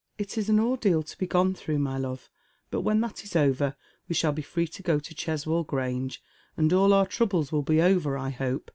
" It is an ordeal to be gone through, my love, but when that is over we shall be free to go to Cheswold Grange, and all onr trouble* will be over, I hope.